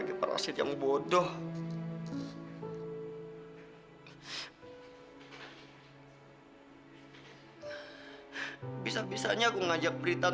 aku cuma parasit yang nyusahin dua wanita gak berdaya